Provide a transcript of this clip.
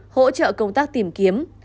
hỗ trợ công tác tìm kiếm